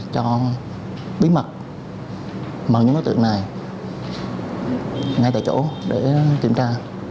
cho bí mật mời những đối tượng này ngay tại chỗ để kiểm tra